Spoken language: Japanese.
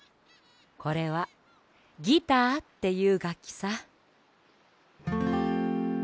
これはギターっていうがっきさ。